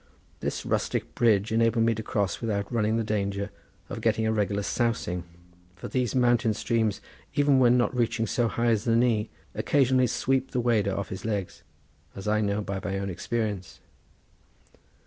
This rustic bridge enabled me to cross without running the danger of getting a regular sousing, for these mountain streams, even when not reaching so high as the knee, occasionally sweep the wader off his legs, as I know by my own experience.